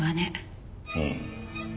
うん。